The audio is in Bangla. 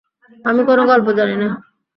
আমি কোনো গল্প জানি না।